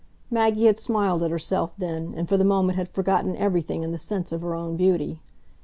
Maggie had smiled at herself then, and for the moment had forgotten everything in the sense of her own beauty.